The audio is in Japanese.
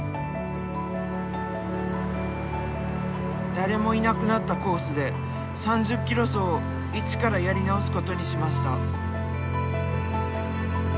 誰もいなくなったコースで３０ｋｍ走を一からやり直すことにしました。